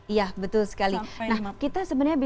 iya betul sekali